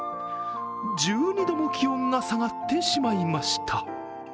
１２度も気温が下がってしまいました。